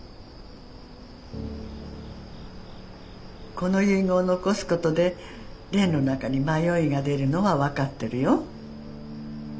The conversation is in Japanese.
「この遺言を残すことで蓮のなかに迷いがでるのはわかってるよ。